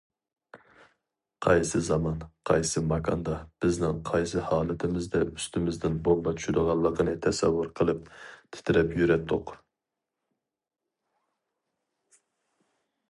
قايسى زامان، قايسى ماكاندا، بىزنىڭ قايسى ھالىتىمىزدە ئۈستىمىزدىن بومبا چۈشىدىغانلىقىنى تەسەۋۋۇر قىلىپ، تىترەپ يۈرەتتۇق!